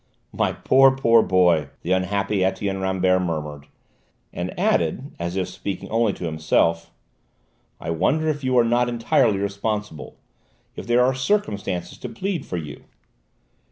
"My poor, poor boy!" the unhappy Etienne Rambert murmured, and added, as if speaking only to himself: "I wonder if you are not entirely responsible if there are circumstances to plead for you!"